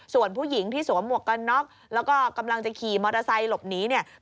ส่วนผู้หญิงที่สวมหมวกกันน็อกแล้วก็กำลังจะขี่มอเตอร์ไซค์หลบหนีเนี่ย